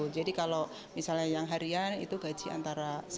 jadi kalau misalnya yang harian itu gaji antarabangsa